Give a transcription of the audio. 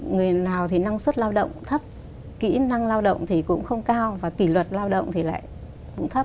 người nào thì năng suất lao động thấp kỹ năng lao động thì cũng không cao và kỷ luật lao động thì lại cũng thấp